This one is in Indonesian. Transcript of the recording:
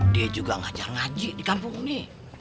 dia juga ngajar ngaji di kampung ini